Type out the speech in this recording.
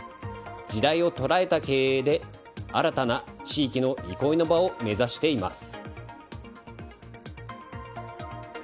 時代を捉えた経営で新たな地域の憩いの場を目指しています。